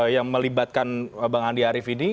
yang melibatkan bang andi arief ini